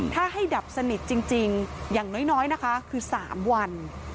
ถ้าให้ดับสนิทจริงอย่างน้อยนะคะคือ๓วัน